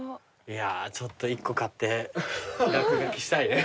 いやーちょっと１個買って落書きしたいね。